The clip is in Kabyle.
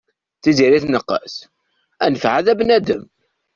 Tiziri tneqqes, anef ɛad a bnadem.